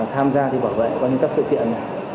tham gia bảo vệ các sự kiện